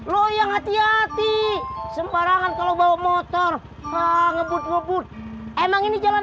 lo yang hati hati sembarangan kalau bawa motor ngebut ngebut emang ini jalan